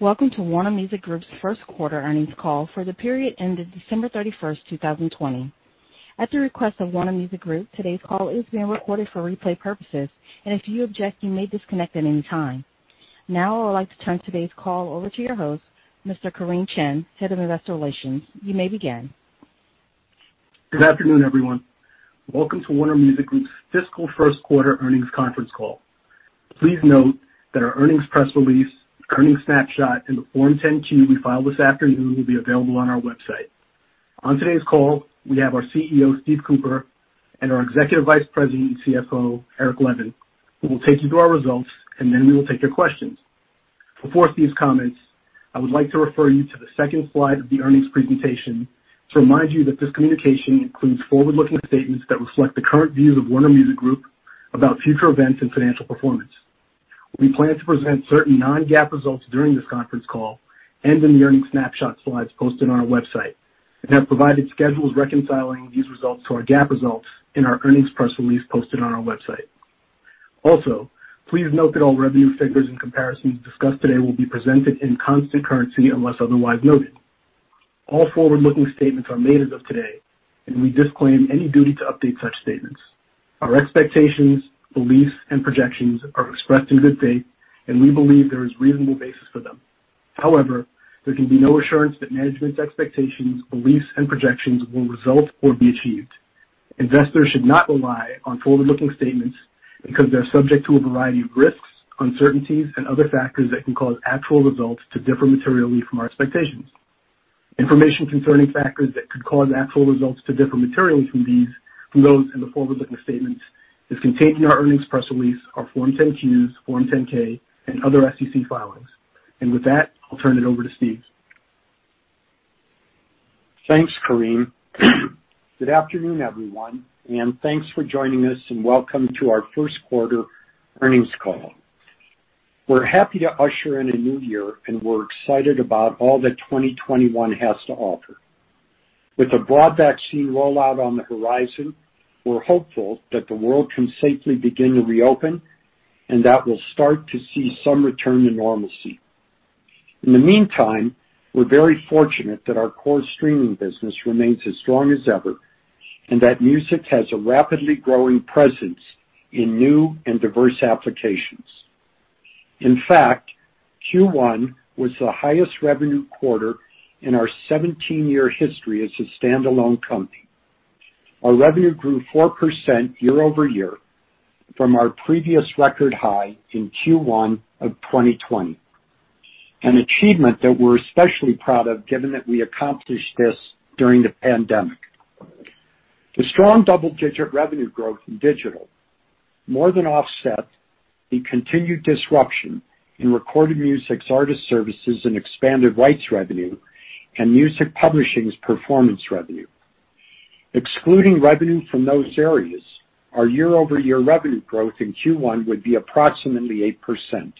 Welcome to Warner Music Group's first quarter earnings call for the period ending December 31st, 2020. At the request of Warner Music Group, today's call is being recorded for replay purposes, and if you object, you may disconnect at any time. Now I would like to turn today's call over to your host, Mr. Kareem Chin, Head of Investor Relations. You may begin. Good afternoon, everyone. Welcome to Warner Music Group's fiscal first quarter earnings conference call. Please note that our earnings press release, earnings snapshot, and the Form 10-Q we file this afternoon will be available on our website. On today's call, we have our CEO, Steve Cooper, and our Executive Vice President and CFO, Eric Levin, who will take you through our results, and then we will take your questions. Before Steve's comments, I would like to refer you to the second slide of the earnings presentation to remind you that this communication includes forward-looking statements that reflect the current views of Warner Music Group about future events and financial performance. We plan to present certain non-GAAP results during this conference call and in the earnings snapshot slides posted on our website and have provided schedules reconciling these results to our GAAP results in our earnings press release posted on our website. Also, please note that all revenue figures and comparisons discussed today will be presented in constant currency unless otherwise noted. All forward-looking statements are made as of today, and we disclaim any duty to update such statements. Our expectations, beliefs, and projections are expressed in good faith, and we believe there is reasonable basis for them. However, there can be no assurance that management's expectations, beliefs, and projections will result or be achieved. Investors should not rely on forward-looking statements because they're subject to a variety of risks, uncertainties, and other factors that can cause actual results to differ materially from our expectations. Information concerning factors that could cause actual results to differ materially from those in the forward-looking statements is contained in our earnings press release, our Form 10-Qs, Form 10-K, and other SEC filings. With that, I'll turn it over to Steve. Thanks, Kareem. Good afternoon, everyone, and thanks for joining us and welcome to our first quarter earnings call. We're happy to usher in a new year, and we're excited about all that 2021 has to offer. With a broad vaccine rollout on the horizon, we're hopeful that the world can safely begin to reopen and that we'll start to see some return to normalcy. In the meantime, we're very fortunate that our core streaming business remains as strong as ever and that music has a rapidly growing presence in new and diverse applications. In fact, Q1 was the highest revenue quarter in our 17-year history as a standalone company. Our revenue grew 4% year-over-year from our previous record high in Q1 of 2020, an achievement that we're especially proud of, given that we accomplished this during the pandemic. The strong double-digit revenue growth in digital more than offset the continued disruption in recorded music's artist services and expanded rights revenue and music publishing's performance revenue. Excluding revenue from those areas, our year-over-year revenue growth in Q1 would be approximately 8%.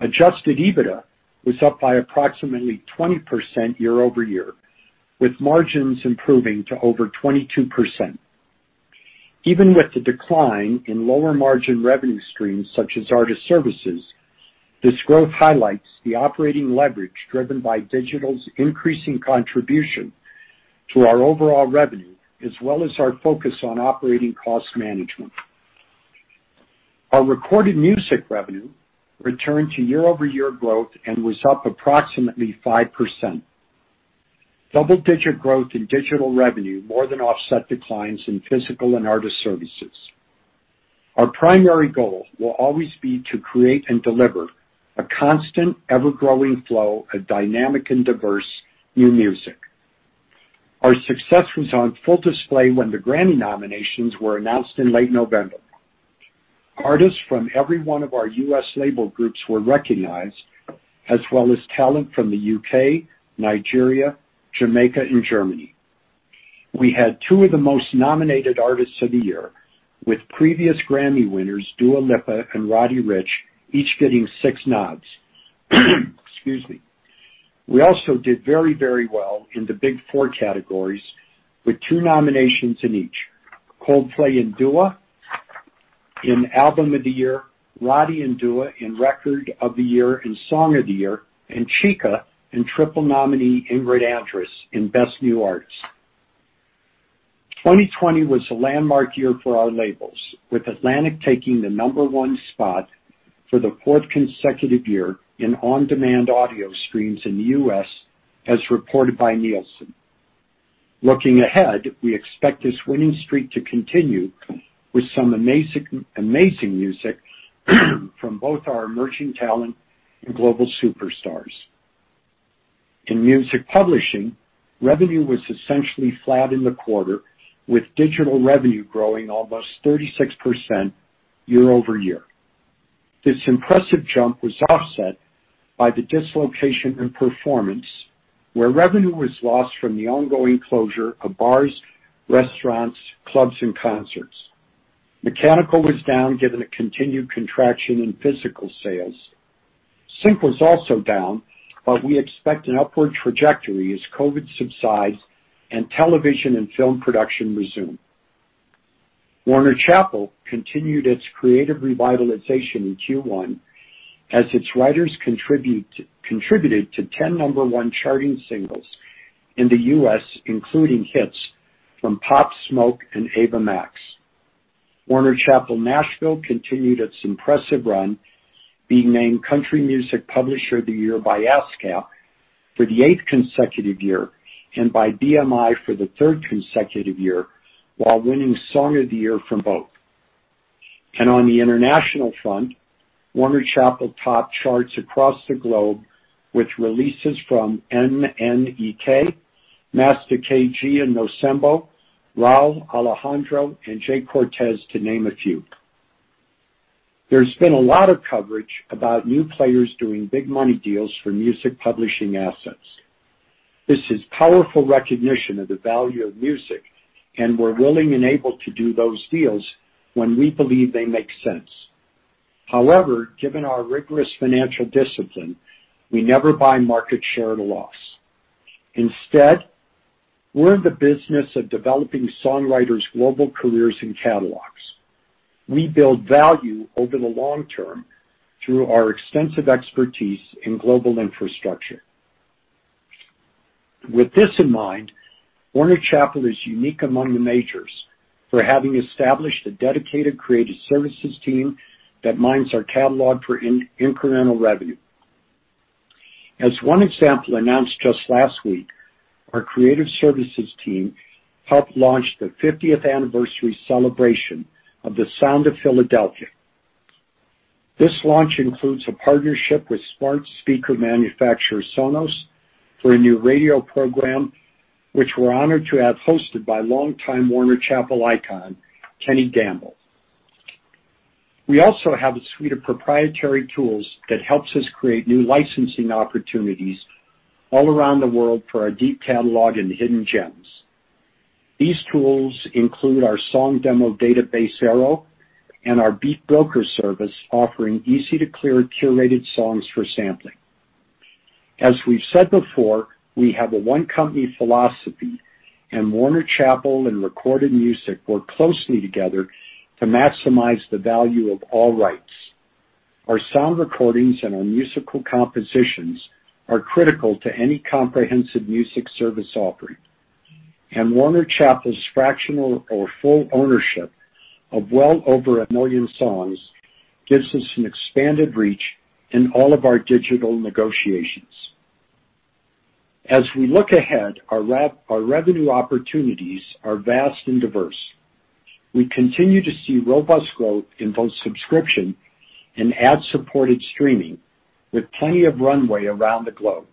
Adjusted EBITDA was up by approximately 20% year-over-year, with margins improving to over 22%. Even with the decline in lower margin revenue streams such as artist services, this growth highlights the operating leverage driven by digital's increasing contribution to our overall revenue as well as our focus on operating cost management. Our recorded music revenue returned to year-over-year growth and was up approximately 5%. Double-digit growth in digital revenue more than offset declines in physical and artist services. Our primary goal will always be to create and deliver a constant, ever-growing flow of dynamic and diverse new music. Our success was on full display when the Grammy nominations were announced in late November. Artists from every one of our U.S. label groups were recognized, as well as talent from the U.K., Nigeria, Jamaica, and Germany. We had two of the most nominated artists of the year, with previous Grammy winners Dua Lipa and Roddy Ricch each getting six nods. Excuse me. We also did very well in the big four categories with two nominations in each: Coldplay and Dua in Album of the Year, Roddy and Dua in Record of the Year and Song of the Year, and Chika and triple nominee Ingrid Andress in Best New Artist. 2020 was a landmark year for our labels, with Atlantic taking the number one spot for the fourth consecutive year in on-demand audio streams in the U.S., as reported by Nielsen. Looking ahead, we expect this winning streak to continue with some amazing music from both our emerging talent and global superstars. In music publishing, revenue was essentially flat in the quarter, with digital revenue growing almost 36% year-over-year. This impressive jump was offset by the dislocation in performance, where revenue was lost from the ongoing closure of bars, restaurants, clubs, and concerts. Mechanical was down given the continued contraction in physical sales. Sync was also down, but we expect an upward trajectory as COVID subsides and television and film production resume. Warner Chappell continued its creative revitalization in Q1 as its writers contributed to 10 number one charting singles in the U.S., including hits from Pop Smoke and Ava Max. Warner Chappell Nashville continued its impressive run, being named Country Music Publisher of the Year by ASCAP for the eighth consecutive year, and by BMI for the third consecutive year, while winning Song of the Year from both. On the international front, Warner Chappell topped charts across the globe with releases from MNEK, Master KG and Nomcebo, Rauw Alejandro, and Jhay Cortez, to name a few. There's been a lot of coverage about new players doing big money deals for music publishing assets. This is powerful recognition of the value of music, and we're willing and able to do those deals when we believe they make sense. However, given our rigorous financial discipline, we never buy market share at a loss. Instead, we're in the business of developing songwriters' global careers and catalogs. We build value over the long term through our extensive expertise in global infrastructure. With this in mind, Warner Chappell is unique among the majors for having established a dedicated creative services team that mines our catalog for incremental revenue. As one example announced just last week, our creative services team helped launch the 50th anniversary celebration of The Sound of Philadelphia. This launch includes a partnership with smart speaker manufacturer Sonos for a new radio program, which we're honored to have hosted by longtime Warner Chappell icon, Kenny Gamble. We also have a suite of proprietary tools that helps us create new licensing opportunities all around the world for our deep catalog and hidden gems. These tools include our song demo database, ARROW, and our Beat Broker service, offering easy-to-clear curated songs for sampling. As we've said before, we have a one-company philosophy, and Warner Chappell and recorded music work closely together to maximize the value of all rights. Our sound recordings and our musical compositions are critical to any comprehensive music service offering. Warner Chappell's fractional or full ownership of well over a million songs gives us an expanded reach in all of our digital negotiations. As we look ahead, our revenue opportunities are vast and diverse. We continue to see robust growth in both subscription and ad-supported streaming, with plenty of runway around the globe.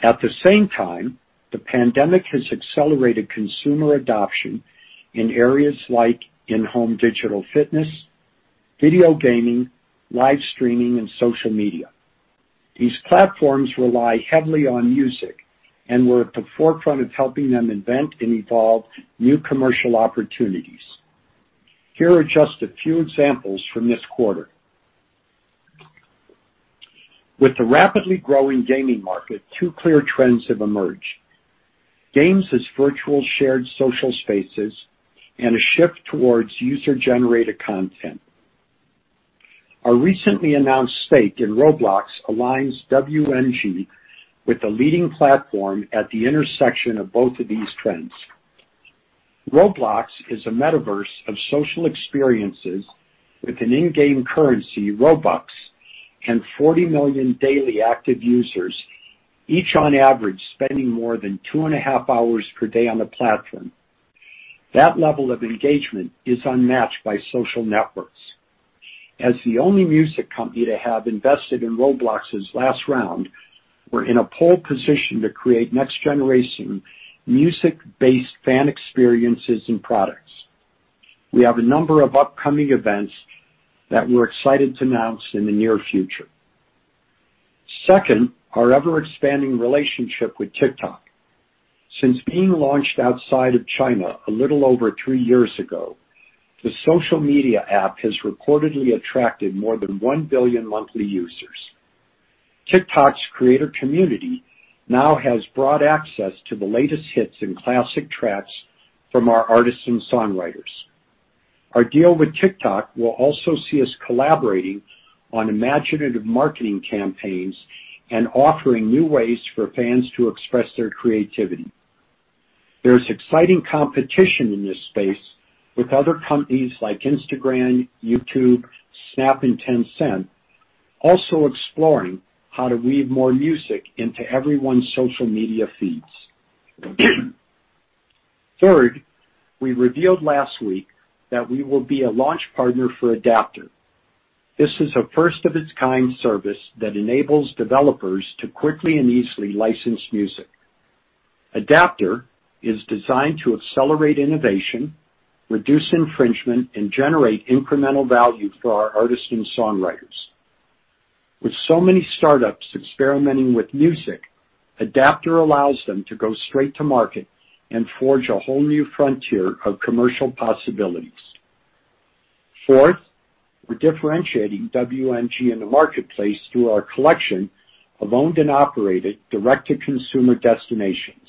At the same time, the pandemic has accelerated consumer adoption in areas like in-home digital fitness, video gaming, live streaming, and social media. These platforms rely heavily on music, and we're at the forefront of helping them invent and evolve new commercial opportunities. Here are just a few examples from this quarter. With the rapidly growing gaming market, two clear trends have emerged, games as virtual shared social spaces, and a shift towards user-generated content. Our recently announced stake in Roblox aligns WMG with the leading platform at the intersection of both of these trends. Roblox is a metaverse of social experiences with an in-game currency, Robux, and 40 million daily active users, each on average, spending more than 2.5 Hours per day on the platform. That level of engagement is unmatched by social networks. As the only music company to have invested in Roblox's last round, we're in a pole position to create next-generation music-based fan experiences and products. We have a number of upcoming events that we're excited to announce in the near future. Second, our ever-expanding relationship with TikTok. Since being launched outside of China a little over three years ago, the social media app has reportedly attracted more than 1 billion monthly users. TikTok's creator community now has broad access to the latest hits and classic tracks from our artists and songwriters. Our deal with TikTok will also see us collaborating on imaginative marketing campaigns and offering new ways for fans to express their creativity. There is exciting competition in this space with other companies like Instagram, YouTube, Snap, and Tencent also exploring how to weave more music into everyone's social media feeds. Third, we revealed last week that we will be a launch partner for Adaptr. This is a first-of-its-kind service that enables developers to quickly and easily license music. Adaptr is designed to accelerate innovation, reduce infringement, and generate incremental value for our artists and songwriters. With so many startups experimenting with music, Adaptr allows them to go straight to market and forge a whole new frontier of commercial possibilities. Fourth, we're differentiating WMG in the marketplace through our collection of owned and operated direct-to-consumer destinations.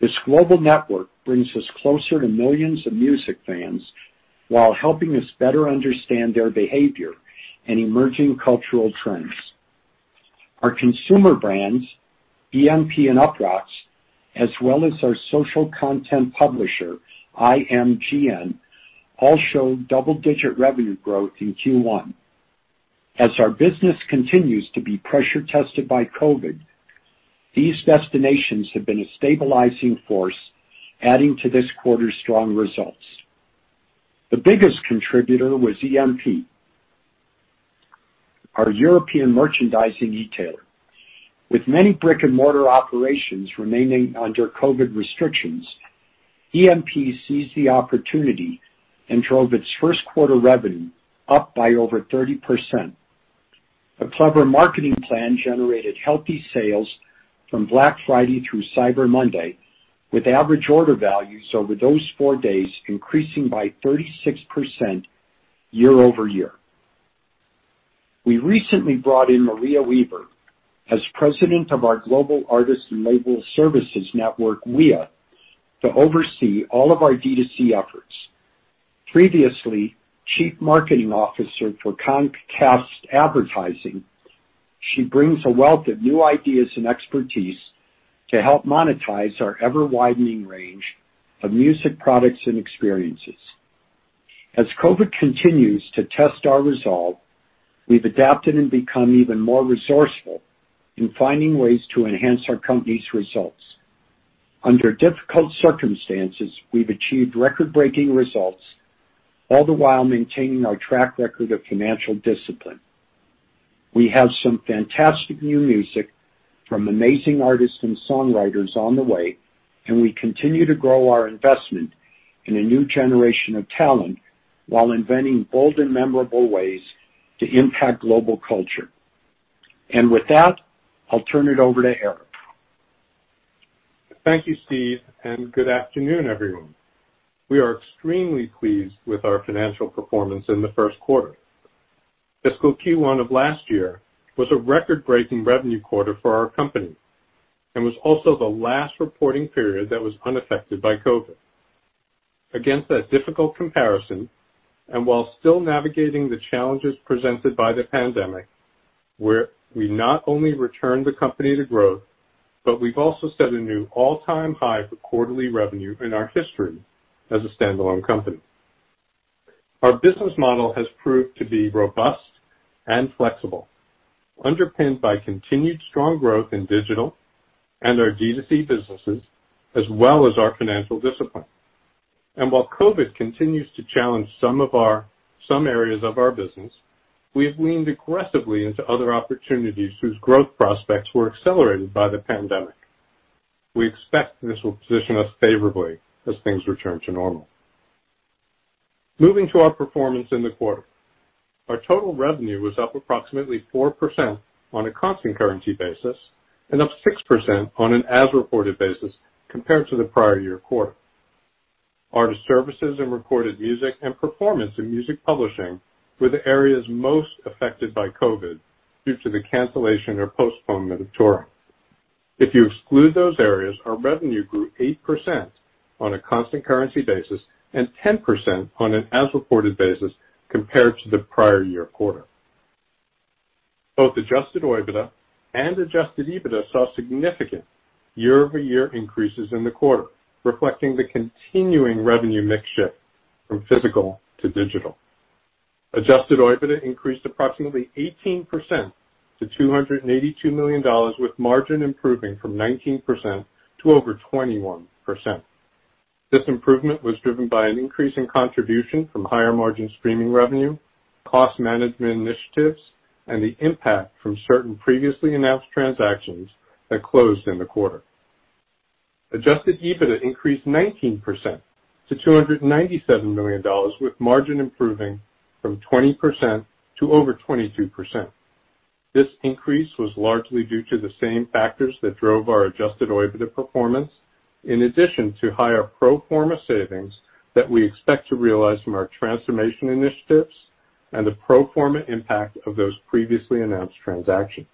This global network brings us closer to millions of music fans while helping us better understand their behavior and emerging cultural trends. Our consumer brands, EMP and UPROXX, as well as our social content publisher, IMGN, all showed double-digit revenue growth in Q1. As our business continues to be pressure tested by COVID, these destinations have been a stabilizing force, adding to this quarter's strong results. The biggest contributor was EMP, our European merchandising retailer. With many brick-and-mortar operations remaining under COVID restrictions, EMP seized the opportunity and drove its first quarter revenue up by over 30%. A clever marketing plan generated healthy sales from Black Friday through Cyber Monday, with average order values over those four days increasing by 36% year-over-year. We recently brought in Maria Weaver as president of our global artist and label services network, WEA, to oversee all of our D2C efforts. Previously chief marketing officer for Comcast Advertising, she brings a wealth of new ideas and expertise to help monetize our ever-widening range of music products and experiences. As COVID continues to test our resolve, we've adapted and become even more resourceful in finding ways to enhance our company's results. Under difficult circumstances, we've achieved record-breaking results, all the while maintaining our track record of financial discipline. We have some fantastic new music from amazing artists and songwriters on the way, and we continue to grow our investment in a new generation of talent while inventing bold and memorable ways to impact global culture. With that, I'll turn it over to Eric. Thank you, Steve, and good afternoon, everyone. We are extremely pleased with our financial performance in the first quarter. Fiscal Q1 of last year was a record-breaking revenue quarter for our company and was also the last reporting period that was unaffected by COVID. Against that difficult comparison, and while still navigating the challenges presented by the pandemic, we not only returned the company to growth, but we've also set a new all-time high for quarterly revenue in our history as a standalone company. Our business model has proved to be robust and flexible, underpinned by continued strong growth in digital and our D2C businesses, as well as our financial discipline. While COVID continues to challenge some areas of our business, we've leaned aggressively into other opportunities whose growth prospects were accelerated by the pandemic. We expect this will position us favorably as things return to normal. Moving to our performance in the quarter. Our total revenue was up approximately 4% on a constant currency basis and up 6% on an as-reported basis compared to the prior year quarter. Artist services in recorded music and performance in music publishing were the areas most affected by COVID due to the cancellation or postponement of touring. If you exclude those areas, our revenue grew 8% on a constant currency basis and 10% on an as-reported basis compared to the prior year quarter. Both Adjusted OIBDA and Adjusted EBITDA saw significant year-over-year increases in the quarter, reflecting the continuing revenue mix shift from physical to digital. Adjusted OIBDA increased approximately 18% to $282 million, with margin improving from 19% to over 21%. This improvement was driven by an increase in contribution from higher margin streaming revenue, cost management initiatives, and the impact from certain previously announced transactions that closed in the quarter. Adjusted EBITDA increased 19% to $297 million, with margin improving from 20% to over 22%. This increase was largely due to the same factors that drove our Adjusted OIBDA performance, in addition to higher pro forma savings that we expect to realize from our transformation initiatives and the pro forma impact of those previously announced transactions.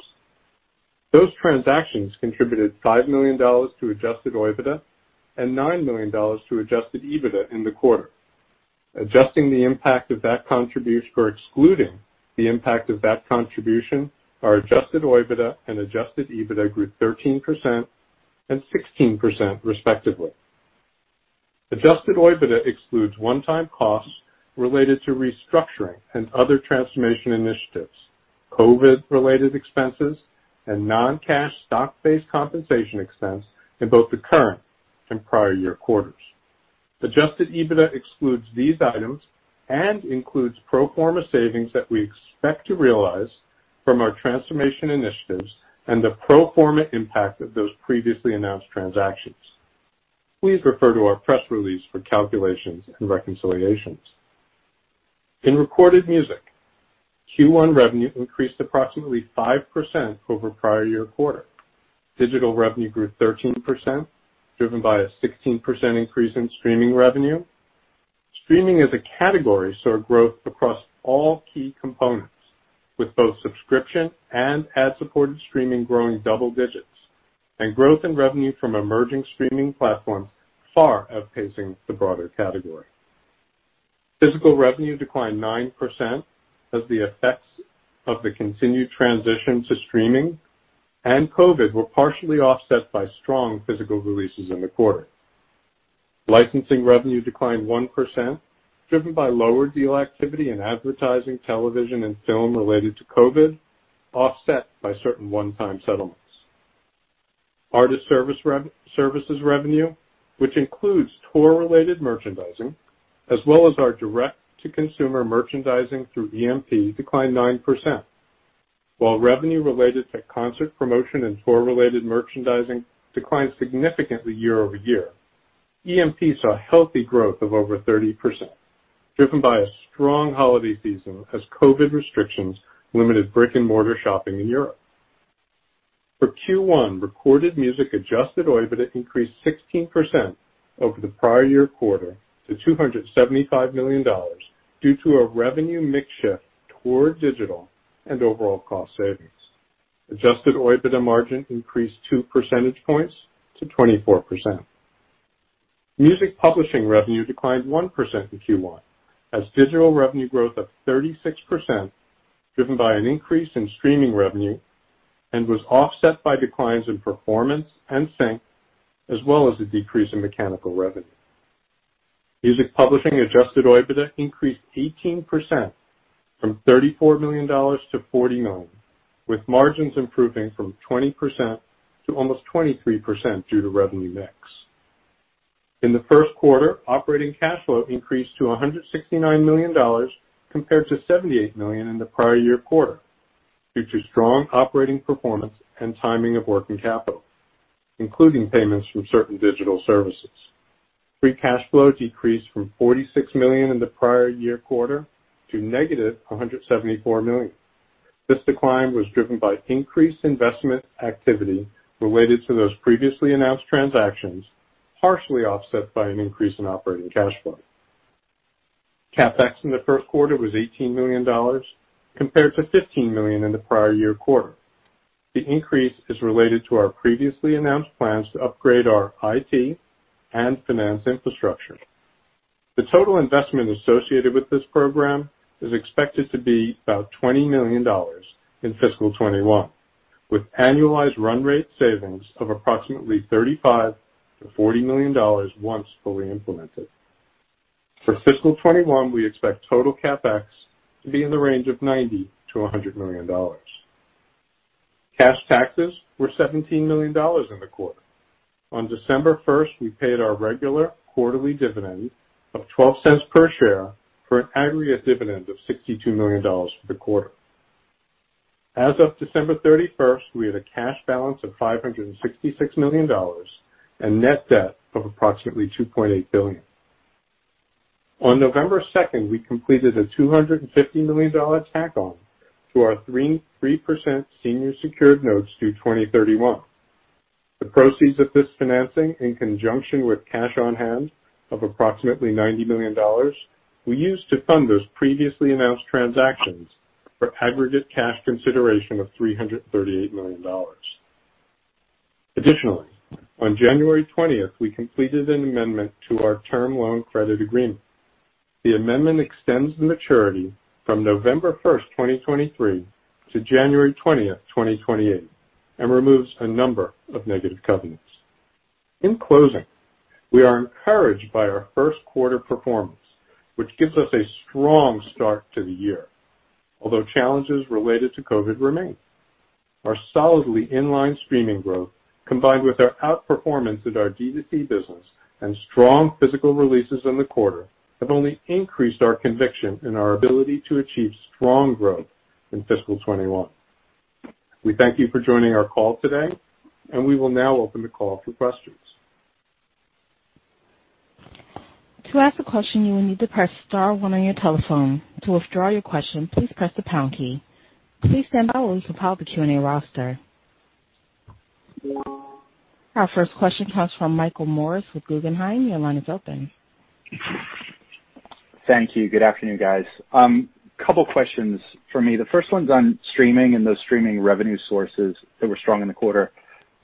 Those transactions contributed $5 million to Adjusted OIBDA and $9 million to Adjusted EBITDA in the quarter. Adjusting the impact of that contribution or excluding the impact of that contribution, our Adjusted OIBDA and Adjusted EBITDA grew 13% and 16%, respectively. Adjusted OIBDA excludes one-time costs related to restructuring and other transformation initiatives, COVID-related expenses, and non-cash stock-based compensation expense in both the current and prior year quarters. Adjusted EBITDA excludes these items and includes pro forma savings that we expect to realize from our transformation initiatives and the pro forma impact of those previously announced transactions. Please refer to our press release for calculations and reconciliations. In recorded music, Q1 revenue increased approximately 5% over prior year quarter. Digital revenue grew 13%, driven by a 16% increase in streaming revenue. Streaming as a category, saw growth across all key components, with both subscription and ad-supported streaming growing double digits, and growth in revenue from emerging streaming platforms far outpacing the broader category. Physical revenue declined 9% as the effects of the continued transition to streaming and COVID were partially offset by strong physical releases in the quarter. Licensing revenue declined 1%, driven by lower deal activity in advertising, television, and film related to COVID, offset by certain one-time settlements. Artist services revenue, which includes tour-related merchandising as well as our direct-to-consumer merchandising through EMP, declined 9%. While revenue related to concert promotion and tour-related merchandising declined significantly year-over-year, EMP saw healthy growth of over 30%, driven by a strong holiday season as COVID restrictions limited brick and mortar shopping in Europe. For Q1, recorded music Adjusted OIBDA increased 16% over the prior year quarter to $275 million due to a revenue mix shift toward digital and overall cost savings. Adjusted OIBDA margin increased two percentage points to 24%. Music publishing revenue declined 1% in Q1 as digital revenue growth of 36%, driven by an increase in streaming revenue, and was offset by declines in performance and sync, as well as a decrease in mechanical revenue. Music publishing Adjusted OIBDA increased 18% from $34 million to $49 million, with margins improving from 20% to almost 23% due to revenue mix. In the first quarter, operating cash flow increased to $169 million compared to $78 million in the prior year quarter due to strong operating performance and timing of working capital, including payments from certain digital services. Free cash flow decreased from $46 million in the prior year quarter to -$174 million. This decline was driven by increased investment activity related to those previously announced transactions, partially offset by an increase in operating cash flow. CapEx in the first quarter was $18 million compared to $15 million in the prior year quarter. The increase is related to our previously announced plans to upgrade our IT and finance infrastructure. The total investment associated with this program is expected to be about $20 million in fiscal 2021, with annualized run rate savings of approximately $35 million-$40 million once fully implemented. For fiscal 2021, we expect total CapEx to be in the range of $90 million-$100 million. Cash taxes were $17 million in the quarter. On December 1st, we paid our regular quarterly dividend of $0.12 per share for an aggregate dividend of $62 million for the quarter. As of December 31st, we had a cash balance of $566 million and net debt of approximately $2.8 billion. On November 2nd, we completed a $250 million tack on to our 3% senior secured notes due 2031. The proceeds of this financing, in conjunction with cash on hand of approximately $90 million, we used to fund those previously announced transactions for aggregate cash consideration of $338 million. Additionally, on January 20th, we completed an amendment to our term loan credit agreement. The amendment extends the maturity from November 1st, 2023 to January 20th, 2028, and removes a number of negative covenants. In closing, we are encouraged by our first quarter performance, which gives us a strong start to the year, although challenges related to COVID remain. Our solidly inline streaming growth, combined with our outperformance in our D2C business and strong physical releases in the quarter have only increased our conviction in our ability to achieve strong growth in fiscal 2021. We thank you for joining our call today, and we will now open the call for questions. Our first question comes from Michael Morris with Guggenheim. Your line is open. Thank you. Good afternoon, guys. Couple questions from me. The first one's on streaming and those streaming revenue sources that were strong in the quarter.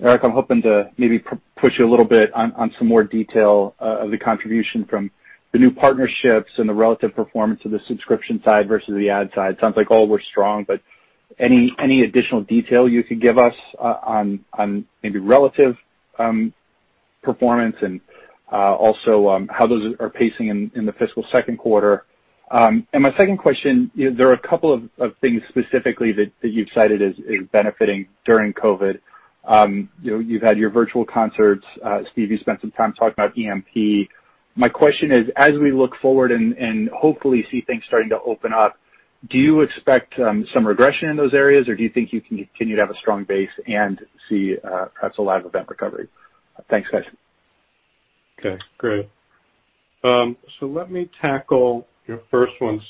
Eric, I'm hoping to maybe push you a little bit on some more detail of the contribution from the new partnerships and the relative performance of the subscription side versus the ad side. Sounds like all were strong, any additional detail you could give us on maybe relative performance and also how those are pacing in the fiscal second quarter? My second question, there are a couple of things specifically that you've cited as benefiting during COVID. You've had your virtual concerts. Steve, you spent some time talking about EMP. My question is, as we look forward and hopefully see things starting to open up, do you expect some regression in those areas, or do you think you can continue to have a strong base and see perhaps a live event recovery? Thanks, guys. Okay, great. Let me tackle your first one.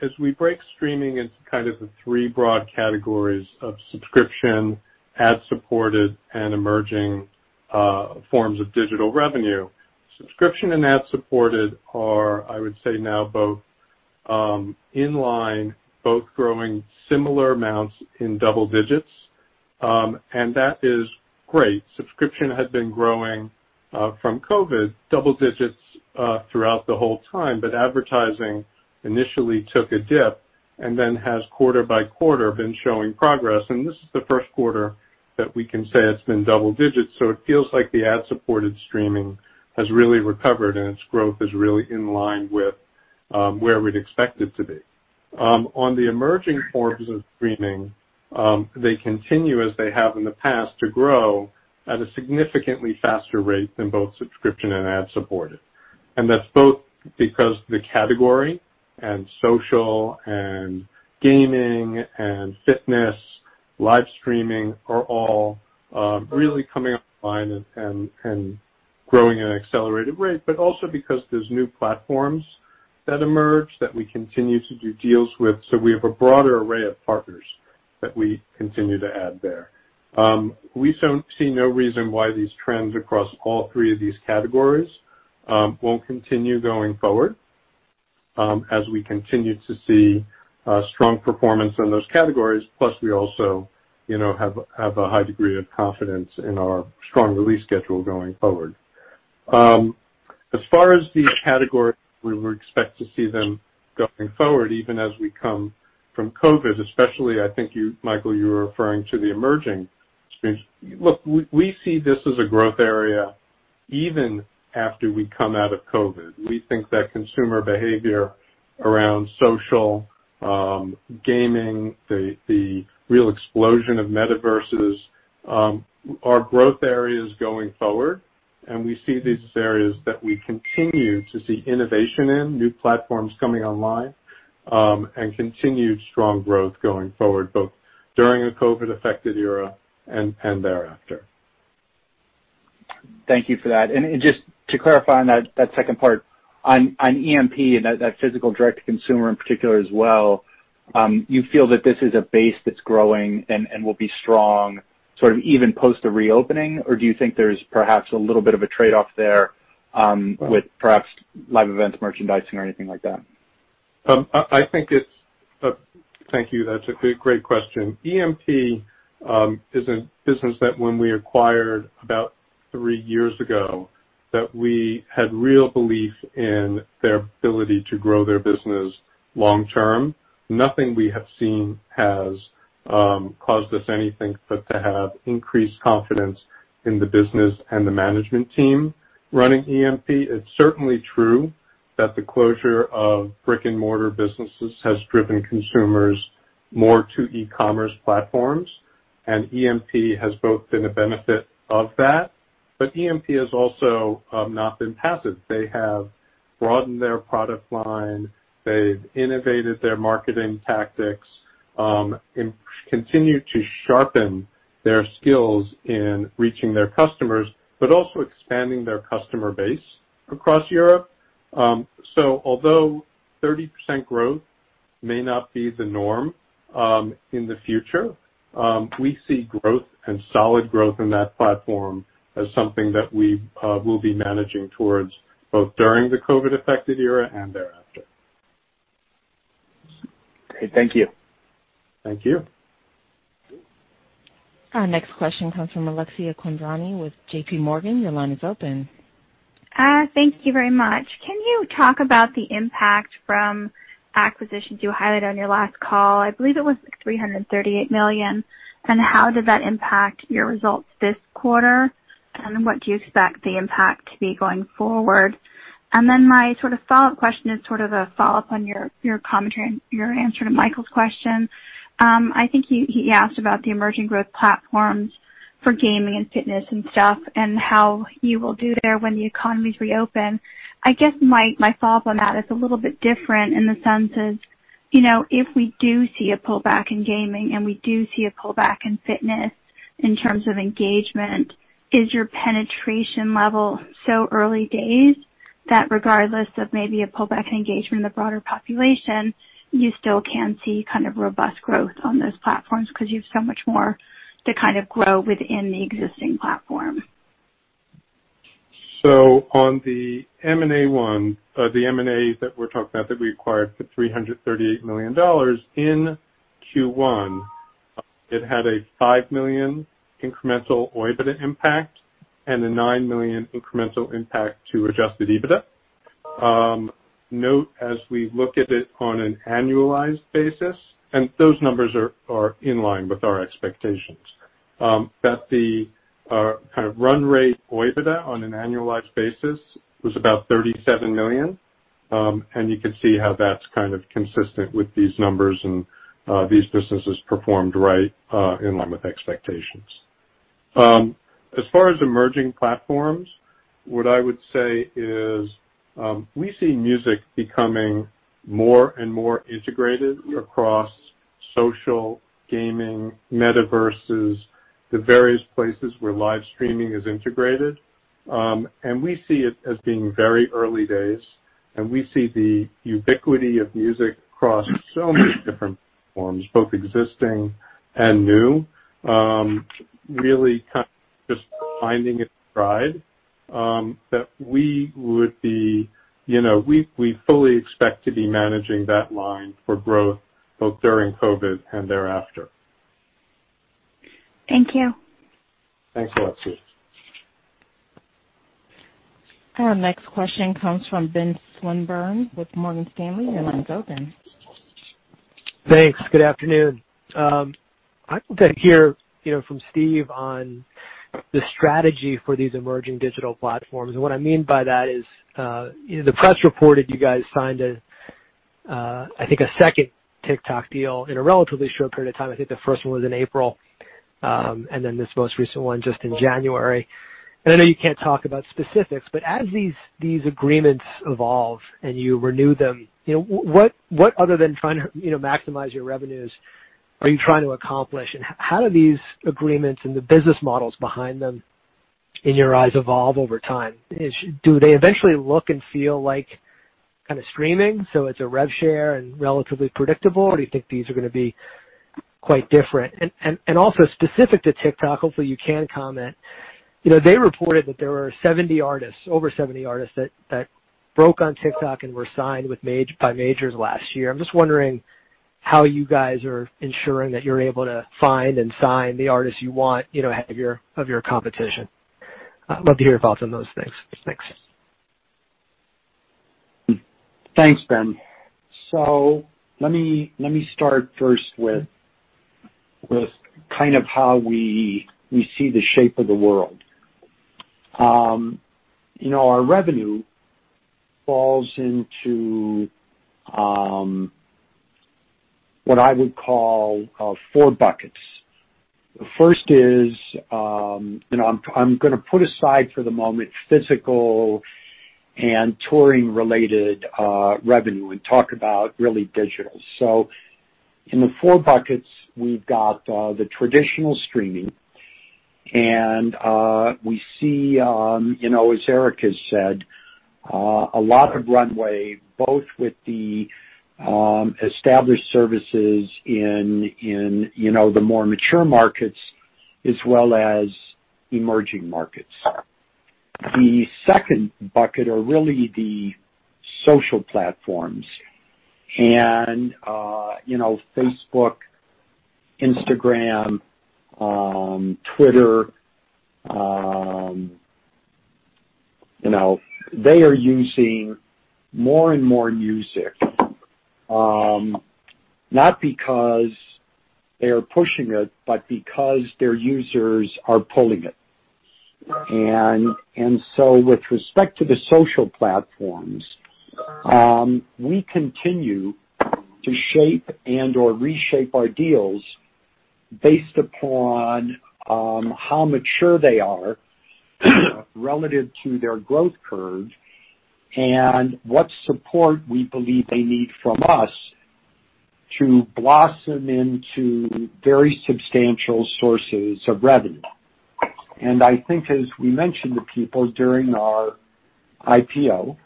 As we break streaming into kind of the three broad categories of subscription, ad-supported, and emerging forms of digital revenue. Subscription and ad-supported are, I would say now, both in line, both growing similar amounts in double digits, and that is great. Subscription had been growing from COVID double digits throughout the whole time, but advertising initially took a dip and then has quarter by quarter been showing progress. This is the first quarter that we can say it's been double digits, so it feels like the ad-supported streaming has really recovered, and its growth is really in line with where we'd expect it to be. On the emerging forms of streaming, they continue, as they have in the past, to grow at a significantly faster rate than both subscription and ad-supported. That's both because the category and social and gaming and fitness, live streaming are all really coming online and growing at an accelerated rate, but also because there's new platforms that emerge that we continue to do deals with. We have a broader array of partners that we continue to add there. We see no reason why these trends across all three of these categories won't continue going forward as we continue to see strong performance in those categories. Plus, we also have a high degree of confidence in our strong release schedule going forward. As far as the category, we would expect to see them going forward, even as we come from COVID, especially, I think, Michael, you were referring to the emerging streams. Look, we see this as a growth area even after we come out of COVID. We think that consumer behavior around social, gaming, the real explosion of metaverses are growth areas going forward, and we see these as areas that we continue to see innovation in, new platforms coming online, and continued strong growth going forward, both during a COVID-affected era and thereafter. Thank you for that. Just to clarify on that second part, on EMP and that physical direct-to-consumer in particular as well, you feel that this is a base that's growing and will be strong sort of even post the reopening? Do you think there's perhaps a little bit of a trade-off there with perhaps live events, merchandising, or anything like that? Thank you. That's a great question. EMP is a business that when we acquired about three years ago, that we had real belief in their ability to grow their business long term. Nothing we have seen has caused us anything but to have increased confidence in the business and the management team running EMP. It's certainly true that the closure of brick-and-mortar businesses has driven consumers more to e-commerce platforms, and EMP has both been a benefit of that, but EMP has also not been passive. They have broadened their product line. They've innovated their marketing tactics and continue to sharpen their skills in reaching their customers, but also expanding their customer base across Europe. Although 30% growth may not be the norm in the future, we see growth and solid growth in that platform as something that we will be managing towards both during the COVID-affected era and thereafter. Okay. Thank you. Thank you. Our next question comes from Alexia Quadrani with JPMorgan your line is open. Thank you very much. Can you talk about the impact from acquisitions you highlighted on your last call? I believe it was like $338 million. How did that impact your results this quarter? What do you expect the impact to be going forward? My sort of follow-up question is sort of a follow-up on your commentary and your answer to Michael's question. I think he asked about the emerging growth platforms for gaming and fitness and stuff, and how you will do there when the economies reopen. I guess my follow-up on that is a little bit different in the sense is, if we do see a pullback in gaming and we do see a pullback in fitness in terms of engagement, is your penetration level so early days that regardless of maybe a pullback in engagement in the broader population, you still can see kind of robust growth on those platforms because you have so much more to kind of grow within the existing platform? On the M&A one, the M&A that we're talking about that we acquired for $338 million, in Q1, it had a $5 million incremental OIBDA impact and a $9 million incremental impact to Adjusted EBITDA. Note, as we look at it on an annualized basis, and those numbers are in line with our expectations, that the kind of run rate OIBDA on an annualized basis was about $37 million, and you can see how that's kind of consistent with these numbers and these businesses performed right in line with expectations. As far as emerging platforms, what I would say is we see music becoming more and more integrated across Social gaming, metaverses, the various places where live streaming is integrated. We see it as being very early days, and we see the ubiquity of music across so many different forms, both existing and new, really kind of just finding its stride, that we fully expect to be managing that line for growth both during COVID and thereafter. Thank you. Thanks, Alexia. Our next question comes from Ben Swinburne with Morgan Stanley. Your line's open. Thanks. Good afternoon. I would like to hear from Steve on the strategy for these emerging digital platforms. What I mean by that is, the press reported you guys signed, I think, a second TikTok deal in a relatively short period of time. I think the first one was in April, this most recent one just in January. I know you can't talk about specifics, but as these agreements evolve and you renew them, what other than trying to maximize your revenues are you trying to accomplish? How do these agreements and the business models behind them, in your eyes, evolve over time? Do they eventually look and feel like kind of streaming, so it's a rev share and relatively predictable, or do you think these are going to be quite different? Also specific to TikTok, hopefully, you can comment. They reported that there were over 70 artists that broke on TikTok and were signed by majors last year. I'm just wondering how you guys are ensuring that you're able to find and sign the artists you want ahead of your competition. I'd love to hear your thoughts on those things. Thanks. Thanks, Ben. Let me start first with kind of how we see the shape of the world. Our revenue falls into what I would call four buckets. The first is, I'm going to put aside for the moment physical and touring-related revenue and talk about really digital. In the four buckets, we've got the traditional streaming, and we see, as Eric has said, a lot of runway, both with the established services in the more mature markets as well as emerging markets. The second bucket are really the social platforms. Facebook, Instagram, Twitter, they are using more and more music, not because they are pushing it, but because their users are pulling it. With respect to the social platforms, we continue to shape and/or reshape our deals based upon how mature they are relative to their growth curve and what support we believe they need from us to blossom into very substantial sources of revenue. I think as we mentioned to people during our IPO,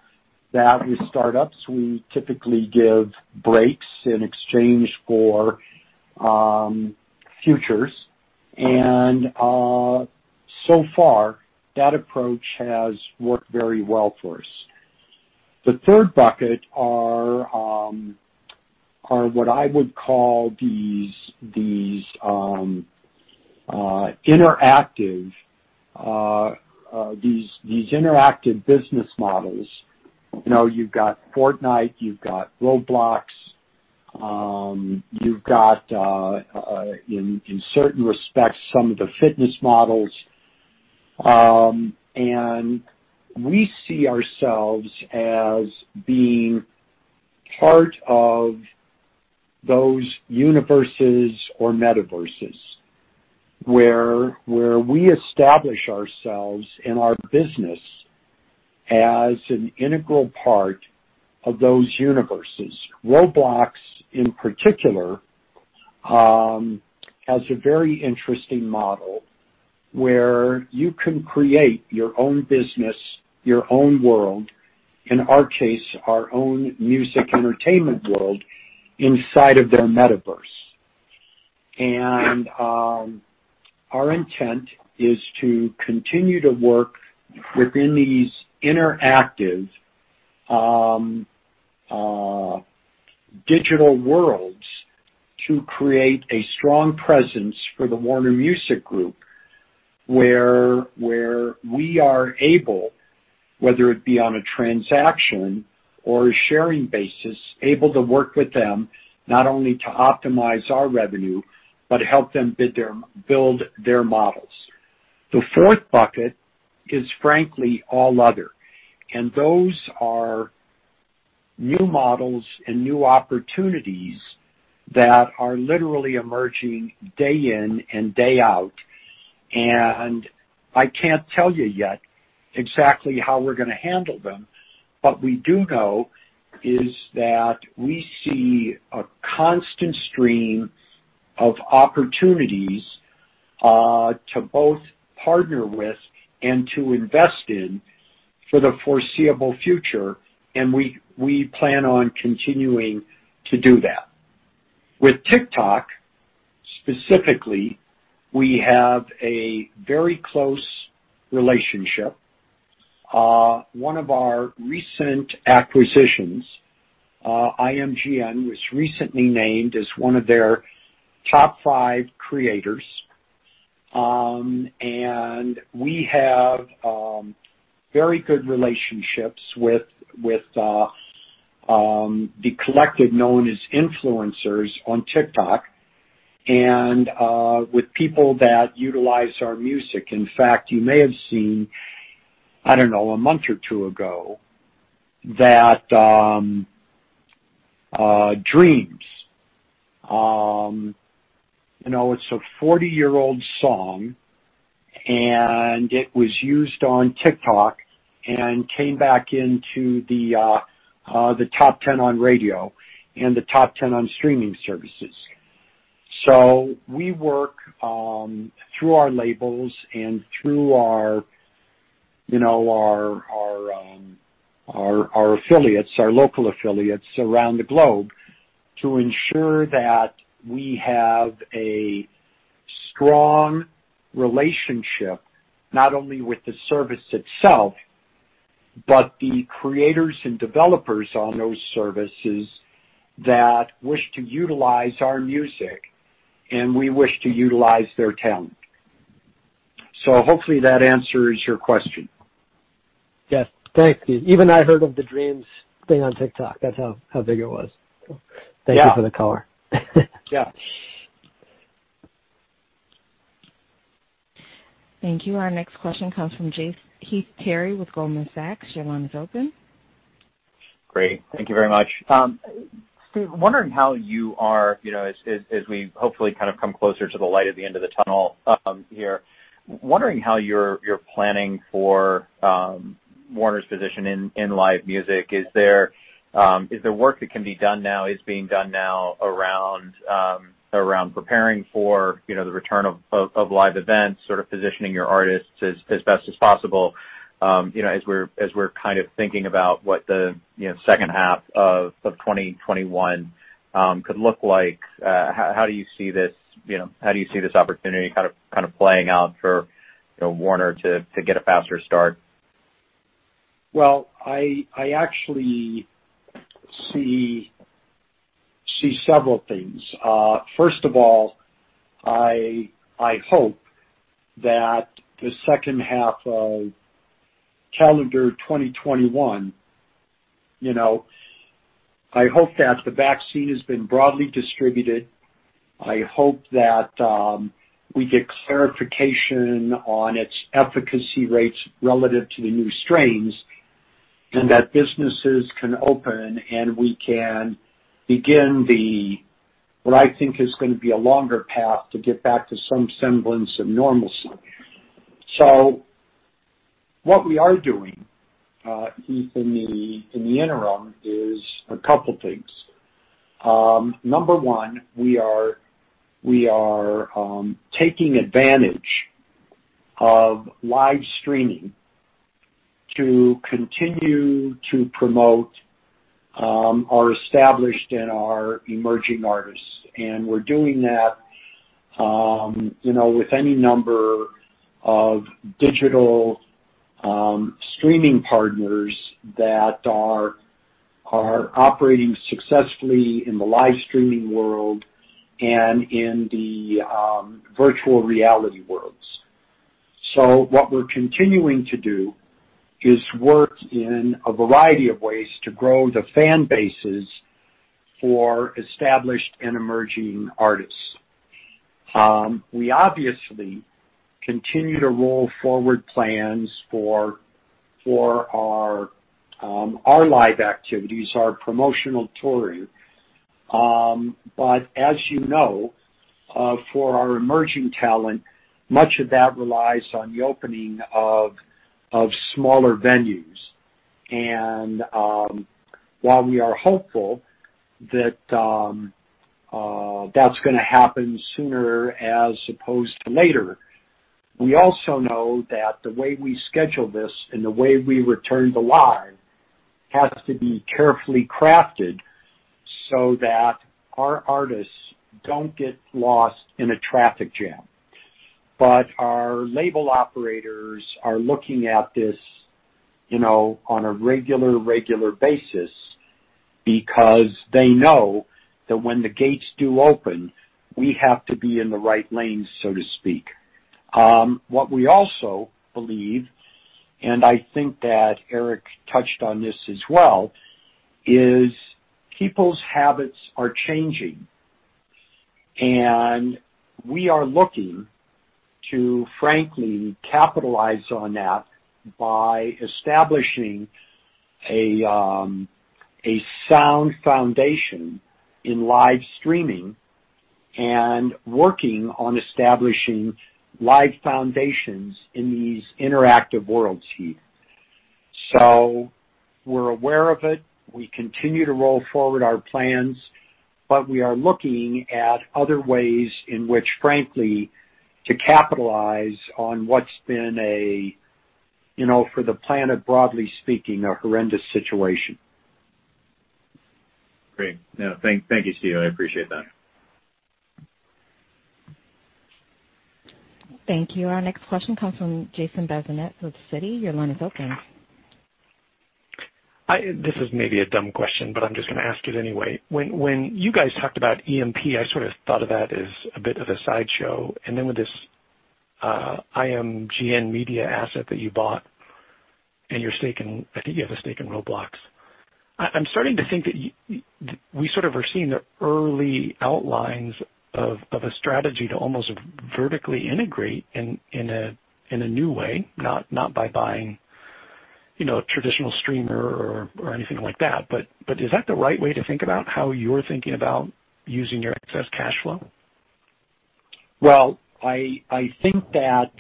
that with startups, we typically give breaks in exchange for futures. So far, that approach has worked very well for us. The third bucket are what I would call these interactive business models. You've got Fortnite, you've got Roblox, you've got, in certain respects, some of the fitness models. We see ourselves as being part of those universes or metaverses, where we establish ourselves and our business as an integral part of those universes. Roblox, in particular, has a very interesting model where you can create your own business, your own world, in our case, our own music entertainment world, inside of their metaverse. Our intent is to continue to work within these interactive digital worlds to create a strong presence for the Warner Music Group, where we are able, whether it be on a transaction or a sharing basis, able to work with them not only to optimize our revenue but help them build their models. The fourth bucket is frankly all other. Those are new models and new opportunities that are literally emerging day in and day out. I can't tell you yet exactly how we're going to handle them. What we do know is that we see a constant stream of opportunities to both partner with and to invest in for the foreseeable future, and we plan on continuing to do that. With TikTok, specifically, we have a very close relationship. One of our recent acquisitions, IMGN, was recently named as one of their top 5 creators. We have very good relationships with the collective known as influencers on TikTok and with people that utilize our music. In fact, you may have seen, I don't know, a month or two ago, that "Dreams," it's a 40-year-old song, and it was used on TikTok and came back into the top 10 on radio and the top 10 on streaming services. We work through our labels and through our affiliates, our local affiliates around the globe to ensure that we have a strong relationship, not only with the service itself, but the creators and developers on those services that wish to utilize our music, and we wish to utilize their talent. Hopefully that answers your question. Yes. Thank you. Even I heard of the "Dreams" thing on TikTok. That's how big it was. Yeah. Thank you for the color. Yeah. Thank you. Our next question comes from Heath Terry with Goldman Sachs. Your line is open. Great. Thank you very much. Steve, as we hopefully kind of come closer to the light at the end of the tunnel here, wondering how you're planning for Warner's position in live music. Is there work that can be done now, is being done now around preparing for the return of live events, sort of positioning your artists as best as possible, as we're kind of thinking about what the second half of 2021 could look like. How do you see this opportunity kind of playing out for Warner to get a faster start? Well, I actually see several things. First of all, I hope that the second half of calendar 2021, I hope that the vaccine has been broadly distributed. I hope that we get clarification on its efficacy rates relative to the new strains, and that businesses can open, and we can begin what I think is going to be a longer path to get back to some semblance of normalcy. What we are doing, Heath, in the interim is a couple things. Number one, we are taking advantage of live streaming to continue to promote our established and our emerging artists, and we're doing that with any number of digital streaming partners that are operating successfully in the live streaming world and in the virtual reality worlds. What we're continuing to do is work in a variety of ways to grow the fan bases for established and emerging artists. We obviously continue to roll forward plans for our live activities, our promotional touring. As you know, for our emerging talent, much of that relies on the opening of smaller venues. While we are hopeful that that's going to happen sooner as opposed to later, we also know that the way we schedule this and the way we return to live has to be carefully crafted so that our artists don't get lost in a traffic jam. Our label operators are looking at this on a regular basis because they know that when the gates do open, we have to be in the right lane, so to speak. What we also believe, and I think that Eric touched on this as well, is people's habits are changing, and we are looking to frankly capitalize on that by establishing a sound foundation in live streaming and working on establishing live foundations in these interactive worlds here. We're aware of it. We continue to roll forward our plans, we are looking at other ways in which, frankly, to capitalize on what's been, for the planet, broadly speaking, a horrendous situation. Great. No, thank you, Steve. I appreciate that. Thank you. Our next question comes from Jason Bazinet with Citi. Your line is open. This is maybe a dumb question, but I'm just going to ask it anyway. When you guys talked about EMP, I sort of thought of that as a bit of a sideshow. With this IMGN Media asset that you bought and your stake in, I think you have a stake in Roblox. I'm starting to think that we sort of are seeing the early outlines of a strategy to almost vertically integrate in a new way, not by buying a traditional streamer or anything like that. Is that the right way to think about how you're thinking about using your excess cash flow? Well, I think that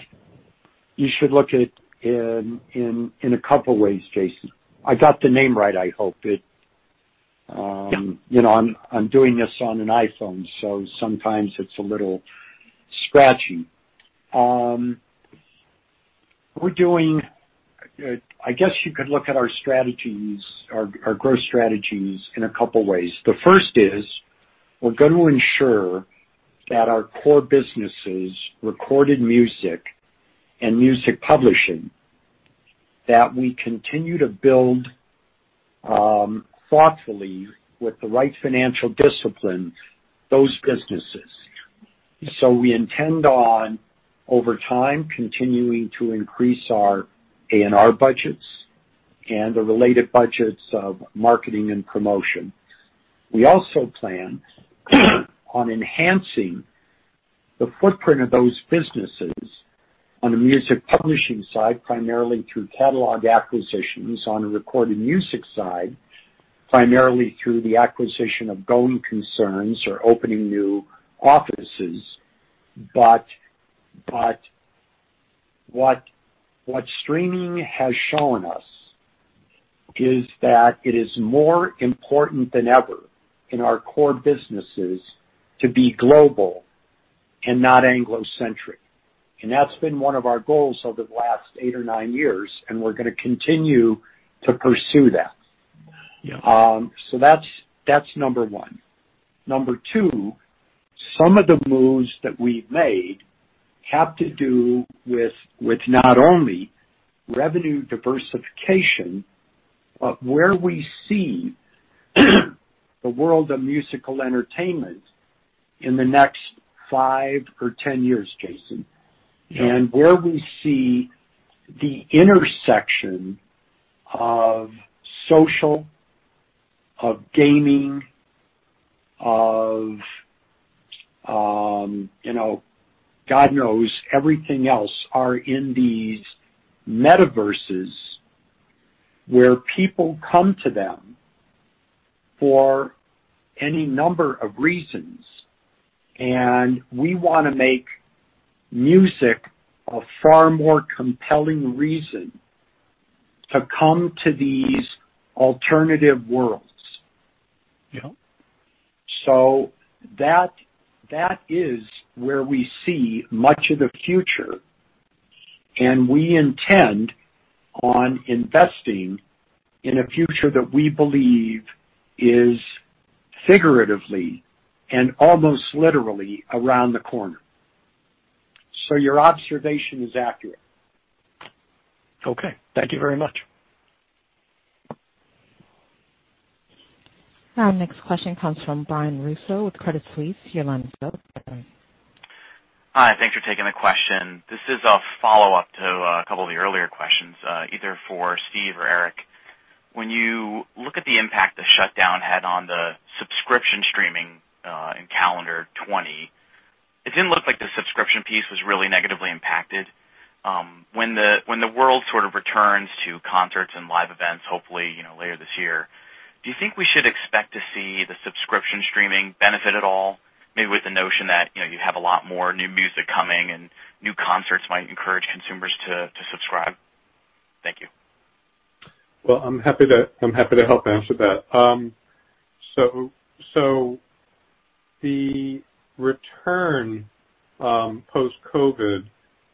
you should look at it in a couple of ways, Jason. I got the name right, I hope. Yeah. I'm doing this on an iPhone, so sometimes it's a little scratchy. I guess you could look at our growth strategies in a couple of ways. The first is we're going to ensure that our core businesses, recorded music and music publishing, that we continue to build thoughtfully with the right financial discipline, those businesses. We intend on, over time, continuing to increase our A&R budgets and the related budgets of marketing and promotion. We also plan on enhancing the footprint of those businesses on the music publishing side, primarily through catalog acquisitions, on the recorded music side, primarily through the acquisition of going concerns or opening new offices. What streaming has shown us is that it is more important than ever in our core businesses to be global and not Anglo-centric. That's been one of our goals over the last eight or nine years, and we're going to continue to pursue that. Yeah. That's number one. Number two, some of the moves that we've made have to do with not only revenue diversification, but where we see the world of musical entertainment in the next five or 10 years, Jason. Yeah. Where we see the intersection of social, of gaming, of God knows everything else are in these metaverses where people come to them for any number of reasons, and we want to make music a far more compelling reason to come to these alternative worlds. Yeah. That is where we see much of the future, and we intend on investing in a future that we believe is figuratively and almost literally around the corner. Your observation is accurate. Okay. Thank you very much. Our next question comes from Brian Russo with Credit Suisse. Your line is open. Hi. Thanks for taking the question. This is a follow-up to a couple of the earlier questions, either for Steve or Eric. When you look at the impact the shutdown had on the subscription streaming in calendar 2020, it didn't look like the subscription piece was really negatively impacted. When the world sort of returns to concerts and live events, hopefully later this year, do you think we should expect to see the subscription streaming benefit at all? Maybe with the notion that you have a lot more new music coming and new concerts might encourage consumers to subscribe. Thank you. Well, I'm happy to help answer that. The return post-COVID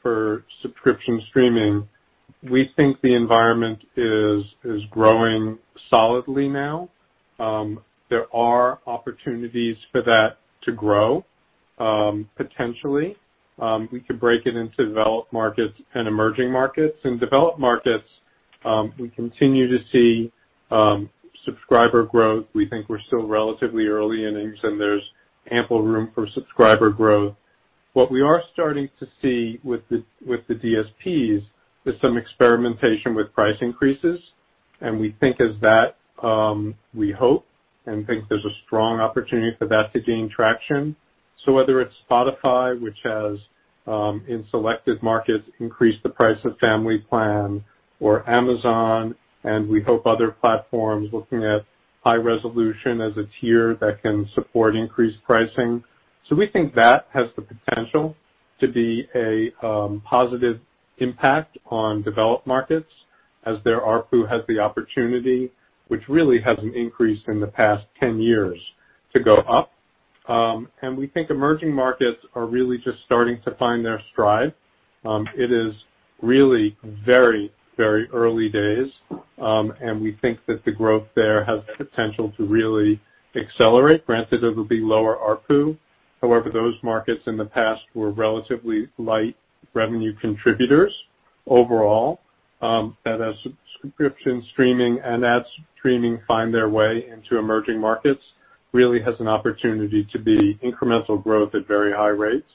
for subscription streaming, we think the environment is growing solidly now. There are opportunities for that to grow, potentially. We could break it into developed markets and emerging markets. In developed markets, we continue to see subscriber growth. We think we're still relatively early innings, and there's ample room for subscriber growth. What we are starting to see with the DSPs is some experimentation with price increases, and we think as that, we hope and think there's a strong opportunity for that to gain traction. Whether it's Spotify, which has, in selected markets, increased the price of family plan or Amazon, and we hope other platforms looking at high resolution as a tier that can support increased pricing. We think that has the potential to be a positive impact on developed markets as their ARPU has the opportunity, which really has an increase in the past 10 years to go up. We think emerging markets are really just starting to find their stride. It is really very early days, and we think that the growth there has the potential to really accelerate. Granted, it'll be lower ARPU. However, those markets in the past were relatively light revenue contributors overall, that as subscription streaming and ad streaming find their way into emerging markets, really has an opportunity to be incremental growth at very high rates.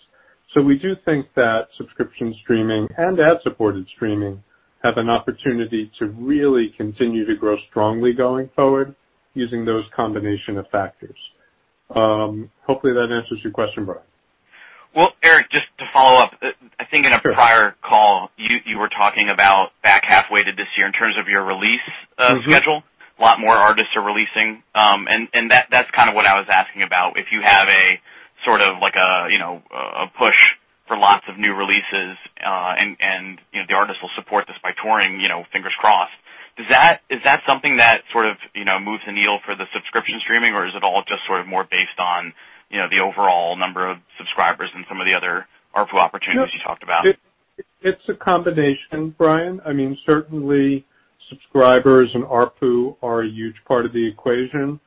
We do think that subscription streaming and ad-supported streaming have an opportunity to really continue to grow strongly going forward using those combination of factors. Hopefully, that answers your question, Brian. Eric, just to follow up. I think in a prior call, you were talking about back half weighted this year in terms of your release schedule. A lot more artists are releasing. That's kind of what I was asking about. If you have a sort of like a push for lots of new releases, and the artists will support this by touring, fingers crossed, is that something that sort of moves the needle for the subscription streaming, or is it all just sort of more based on the overall number of subscribers and some of the other ARPU opportunities you talked about? It's a combination, Brian. Certainly, subscribers and ARPU are a huge part of the equation.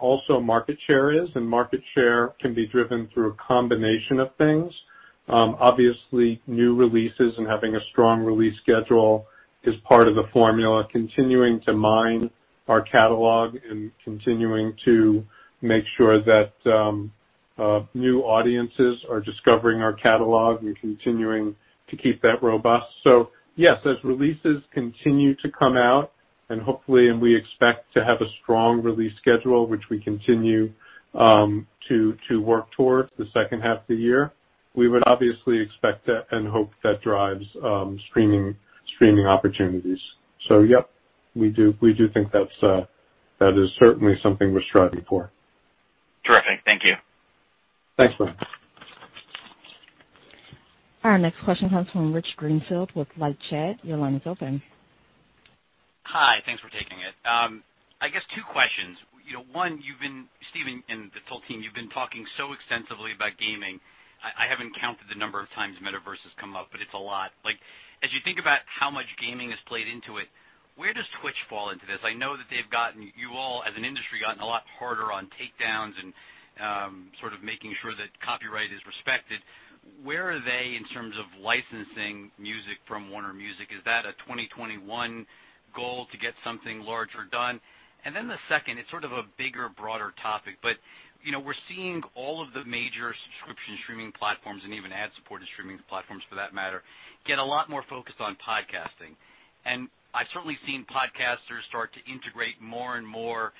Also, market share is. Market share can be driven through a combination of things. New releases and having a strong release schedule is part of the formula, continuing to mine our catalog and continuing to make sure that new audiences are discovering our catalog and continuing to keep that robust. Yes, as releases continue to come out and hopefully, we expect to have a strong release schedule, which we continue to work towards the second half of the year, we would obviously expect that and hope that drives streaming opportunities. Yep, we do think that is certainly something we're striving for. Terrific. Thank you. Thanks, Brian. Our next question comes from Rich Greenfield with LightShed. Your line is open. Hi. Thanks for taking it. I guess two questions. One, Stephen and the whole team, you've been talking so extensively about gaming. I haven't counted the number of times Metaverse has come up, but it's a lot. As you think about how much gaming has played into it, where does Twitch fall into this? I know that they've gotten, you all as an industry, gotten a lot harder on takedowns and sort of making sure that copyright is respected. Where are they in terms of licensing music from Warner Music? Is that a 2021 goal to get something larger done? The second, it's sort of a bigger, broader topic, but we're seeing all of the major subscription streaming platforms and even ad-supported streaming platforms, for that matter, get a lot more focused on podcasting. I've certainly seen podcasters start to integrate more and more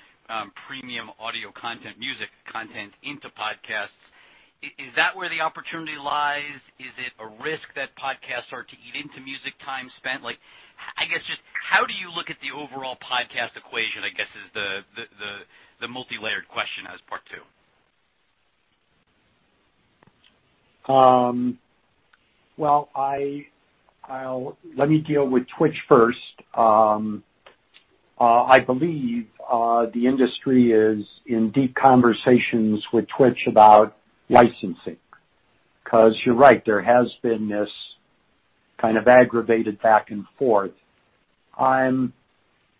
premium audio content, music content into podcasts. Is that where the opportunity lies? Is it a risk that podcasts start to eat into music time spent? I guess just how do you look at the overall podcast equation, I guess, is the multilayered question as part two. Well, let me deal with Twitch first. I believe the industry is in deep conversations with Twitch about licensing, because you're right, there has been this kind of aggravated back and forth. I'm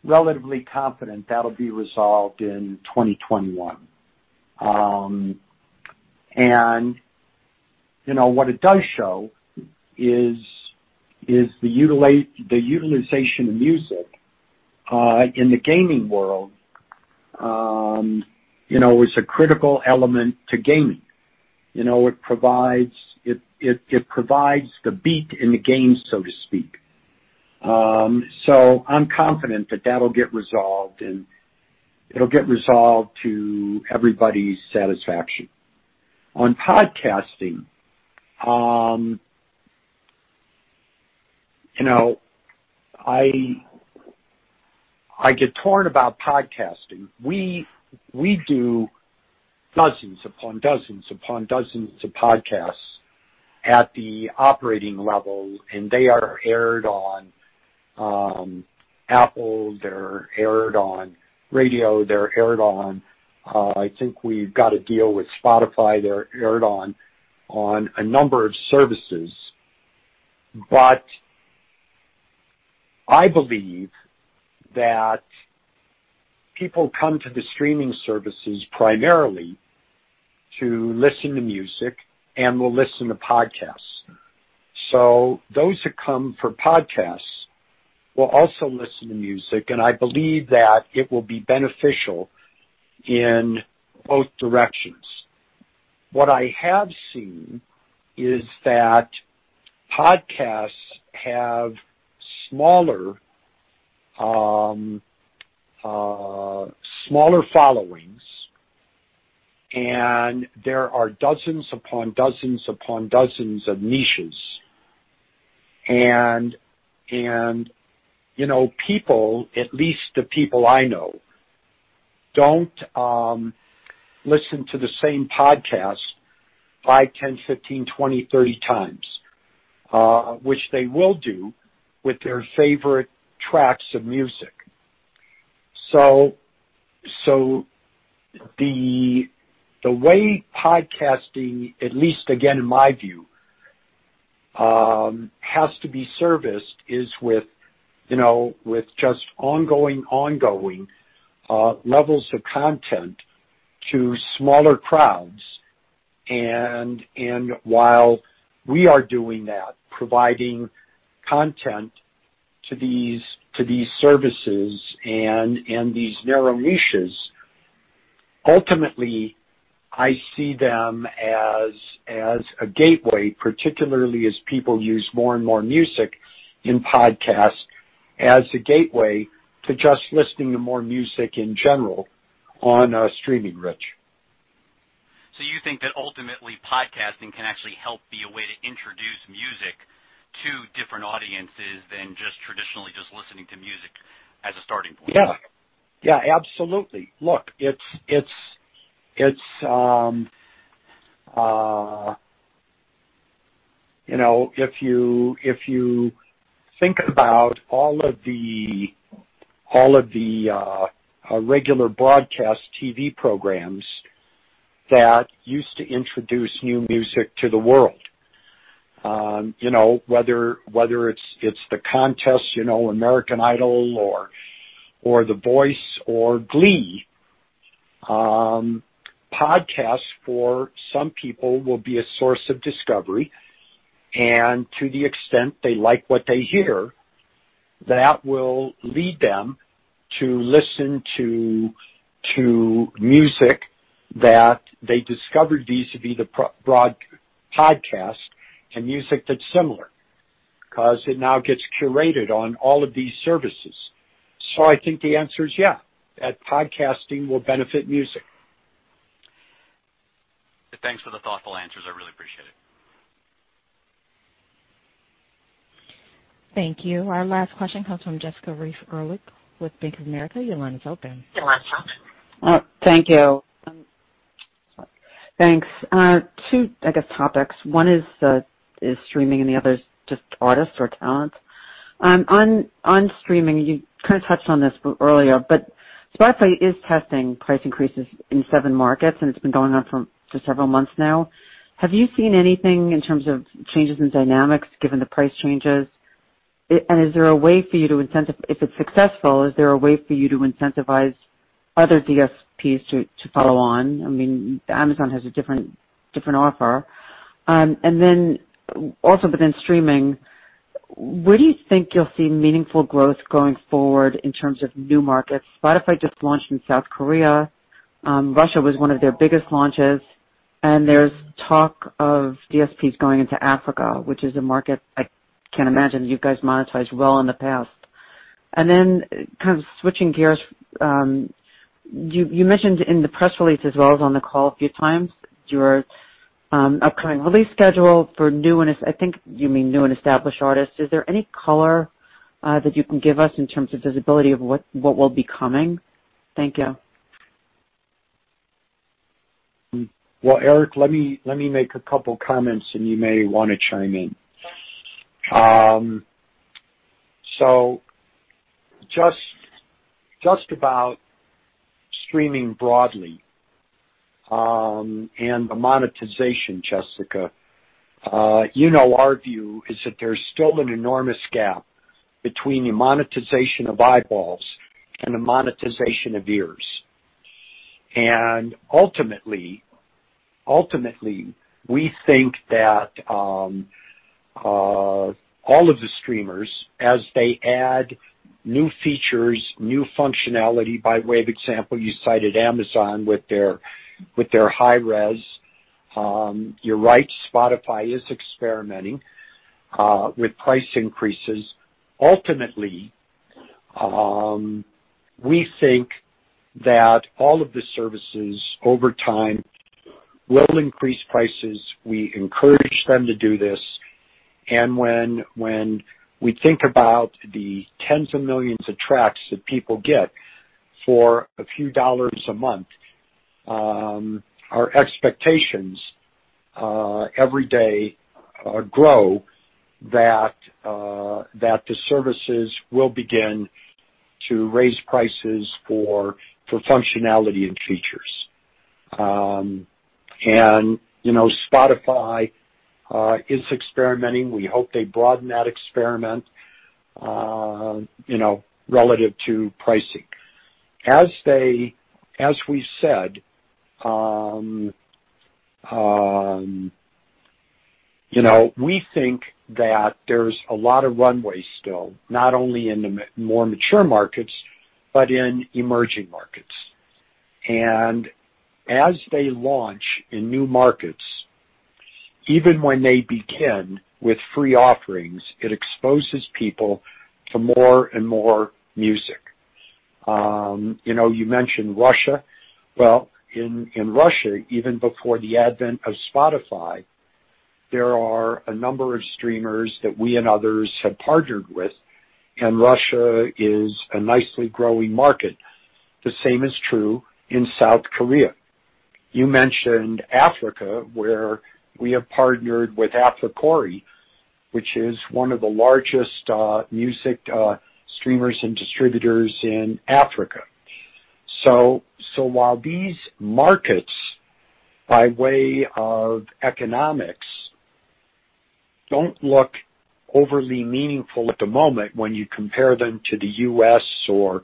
relatively confident that'll be resolved in 2021. What it does show is the utilization of music in the gaming world is a critical element to gaming. It provides the beat in the game, so to speak. I'm confident that that'll get resolved, and it'll get resolved to everybody's satisfaction. On podcasting, I get torn about podcasting. We do dozens upon dozens to podcasts at the operating level, and they are aired on Apple, they're aired on radio. They're aired on, I think we've got a deal with Spotify. They're aired on a number of services. I believe that people come to the streaming services primarily to listen to music and will listen to podcasts. Those who come for podcasts will also listen to music, and I believe that it will be beneficial in both directions. What I have seen is that podcasts have smaller Smaller followings. There are dozens upon dozens upon dozens of niches. People, at least the people I know, don't listen to the same podcast 5x, 10x, 15x, 20x, 30x, which they will do with their favorite tracks of music. The way podcasting, at least again in my view, has to be serviced is with just ongoing levels of content to smaller crowds, and while we are doing that, providing content to these services and these narrow niches. Ultimately, I see them as a gateway, particularly as people use more and more music in podcasts, as a gateway to just listening to more music in general on a streaming rich. You think that ultimately podcasting can actually help be a way to introduce music to different audiences than just traditionally just listening to music as a starting point? Yeah. Absolutely. Look, if you think about all of the regular broadcast TV programs that used to introduce new music to the world, whether it's the contest, American Idol or The Voice or Glee, podcasts for some people will be a source of discovery. To the extent they like what they hear, that will lead them to listen to music that they discovered vis-a-vis the podcast and music that's similar, because it now gets curated on all of these services. I think the answer is yeah, that podcasting will benefit music. Thanks for the thoughtful answers. I really appreciate it. Thank you. Our last question comes from Jessica Reif Ehrlich with Bank of America. Your line is open. Thank you. Thanks. Two, I guess topics. One is streaming and the other is just artists or talent. On streaming, you kind of touched on this earlier. Spotify is testing price increases in seven markets, it's been going on for several months now. Have you seen anything in terms of changes in dynamics given the price changes? If it's successful, is there a way for you to incentivize other DSPs to follow on? Amazon has a different offer. Also, within streaming, where do you think you'll see meaningful growth going forward in terms of new markets? Spotify just launched in South Korea. Russia was one of their biggest launches, there's talk of DSPs going into Africa, which is a market I can imagine you guys monetized well in the past. Kind of switching gears, you mentioned in the press release as well as on the call a few times, your upcoming release schedule for new, and I think you mean new and established artists. Is there any color that you can give us in terms of visibility of what will be coming? Thank you. Well, Eric, let me make a couple comments, and you may want to chime in. Just about streaming broadly, and the monetization, Jessica. You know our view is that there's still an enormous gap between the monetization of eyeballs and the monetization of ears. Ultimately, we think that all of the streamers, as they add new features, new functionality, by way of example, you cited Amazon with their high res. You're right, Spotify is experimenting with price increases. Ultimately, we think that all of the services over time will increase prices. We encourage them to do this, and when we think about the tens of millions of tracks that people get for a few dollars a month, our expectations every day grow that the services will begin to raise prices for functionality and features. Spotify is experimenting. We hope they broaden that experiment relative to pricing. As we said, we think that there's a lot of runway still, not only in the more mature markets, but in emerging markets. As they launch in new markets. Even when they begin with free offerings, it exposes people to more and more music. You mentioned Russia. Well, in Russia, even before the advent of Spotify, there are a number of streamers that we and others have partnered with, and Russia is a nicely growing market. The same is true in South Korea. You mentioned Africa, where we have partnered with Africori, which is one of the largest music streamers and distributors in Africa. While these markets, by way of economics, don't look overly meaningful at the moment when you compare them to the U.S. or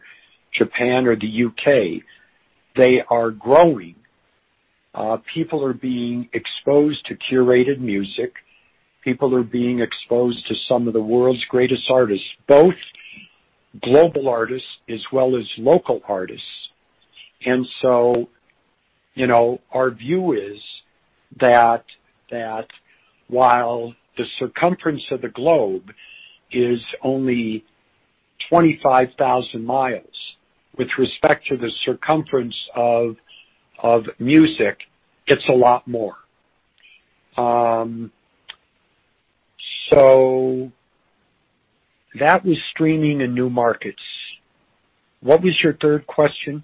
Japan or the U.K., they are growing. People are being exposed to curated music. People are being exposed to some of the world's greatest artists, both global artists as well as local artists. Our view is that while the circumference of the globe is only 25,000mi, with respect to the circumference of music, it's a lot more. That was streaming in new markets. What was your third question?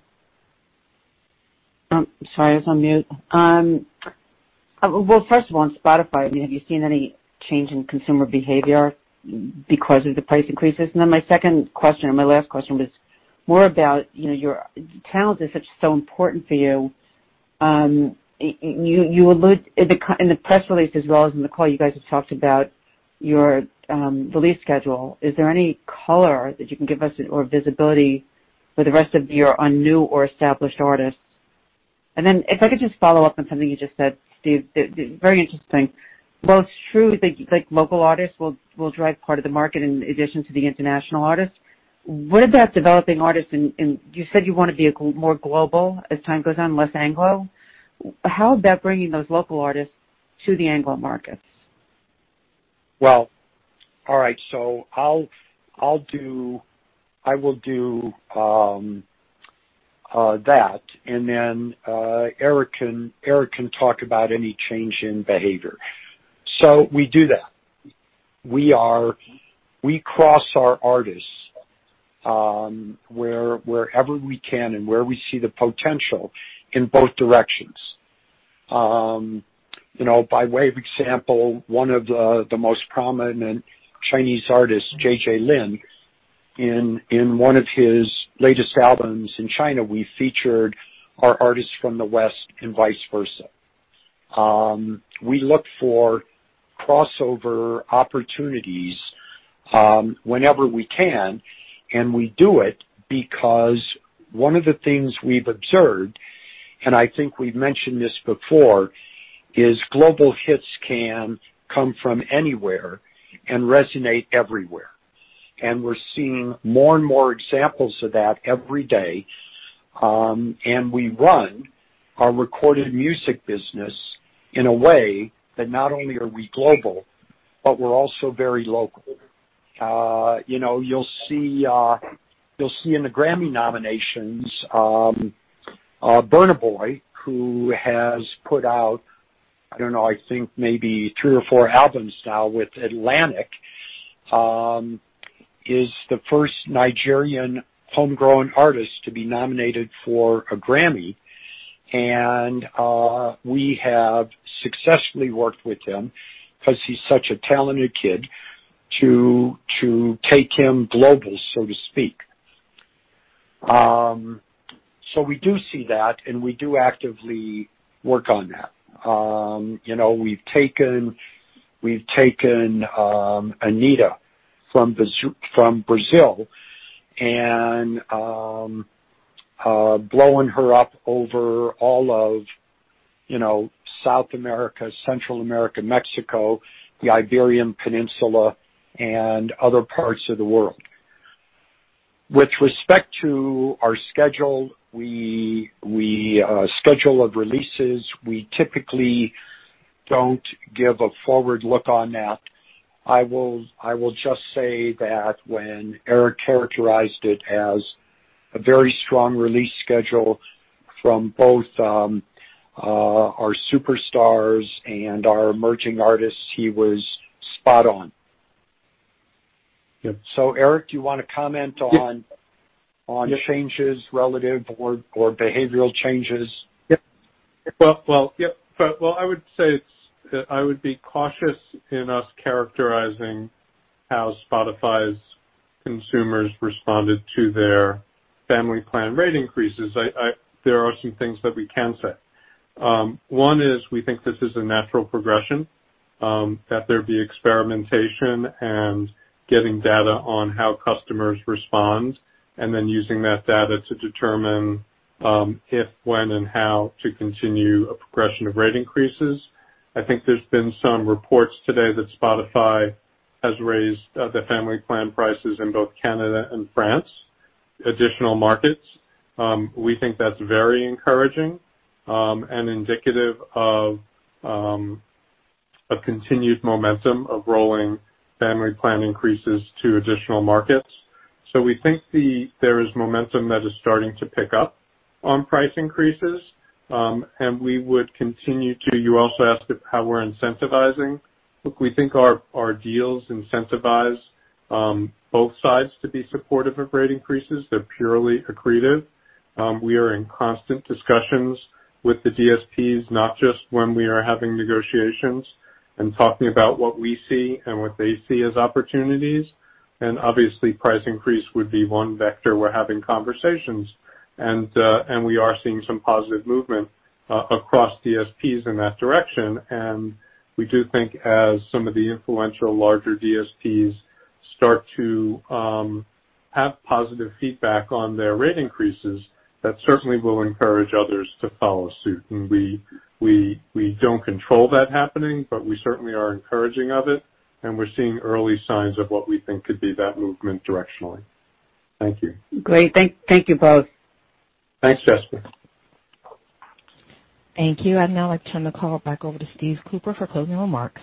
Sorry, I was on mute. Well, first of all, on Spotify, have you seen any change in consumer behavior because of the price increases? My second question, or my last question, was more about your talent is such so important for you. In the press release as well as in the call, you guys have talked about your release schedule. Is there any color that you can give us or visibility for the rest of your on new or established artists? If I could just follow up on something you just said, Steve, very interesting. While it's true that local artists will drive part of the market in addition to the international artists, what about developing artists in, you said you want to be more global as time goes on, less Anglo. How about bringing those local artists to the Anglo markets? Well, all right. I will do that, and then Eric can talk about any change in behavior. We do that. We cross our artists, wherever we can and where we see the potential in both directions. By way of example, one of the most prominent Chinese artists, JJ Lin, in one of his latest albums in China, we featured our artists from the West and vice versa. We look for crossover opportunities, whenever we can, and we do it because one of the things we've observed, and I think we've mentioned this before, is global hits can come from anywhere and resonate everywhere. We're seeing more and more examples of that every day. We run our recorded music business in a way that not only are we global, but we're also very local. You'll see in the Grammy nominations, Burna Boy, who has put out, I don't know, I think maybe three or four albums now with Atlantic, is the first Nigerian homegrown artist to be nominated for a Grammy. We have successfully worked with him, because he's such a talented kid, to take him global, so to speak. We do see that, and we do actively work on that. We've taken Anitta from Brazil and blowing her up over all of South America, Central America, Mexico, the Iberian Peninsula, and other parts of the world. With respect to our schedule of releases, we typically don't give a forward look on that. I will just say that when Eric characterized it as a very strong release schedule from both our superstars and our emerging artists, he was spot on. Yep. Eric, do you want to comment on? Yep. Changes relative or behavioral changes? Yep. Well, I would say, I would be cautious in us characterizing how Spotify's consumers responded to their family plan rate increases. There are some things that we can say. One is we think this is a natural progression, that there'd be experimentation and getting data on how customers respond, and then using that data to determine, if, when, and how to continue a progression of rate increases. I think there's been some reports today that Spotify has raised the family plan prices in both Canada and France, additional markets. We think that's very encouraging, and indicative of continued momentum of rolling family plan increases to additional markets. We think there is momentum that is starting to pick up on price increases. You also asked how we're incentivizing. Look, we think our deals incentivize both sides to be supportive of rate increases. They're purely accretive. We are in constant discussions with the DSPs, not just when we are having negotiations and talking about what we see and what they see as opportunities, obviously price increase would be one vector we're having conversations. We are seeing some positive movement across DSPs in that direction, and we do think as some of the influential larger DSPs start to have positive feedback on their rate increases, that certainly will encourage others to follow suit. We don't control that happening, but we certainly are encouraging of it, and we're seeing early signs of what we think could be that movement directionally. Thank you. Great. Thank you both. Thanks, Jessica. Thank you. I'd now like to turn the call back over to Steve Cooper for closing remarks.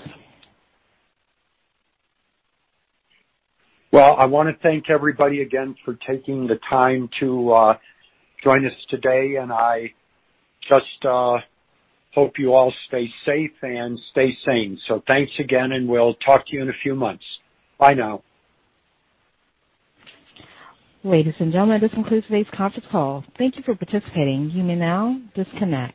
Well, I want to thank everybody again for taking the time to join us today, and I just hope you all stay safe and stay sane. Thanks again, and we'll talk to you in a few months. Bye now. Ladies and gentlemen, this concludes today's conference call. Thank you for participating. You may now disconnect.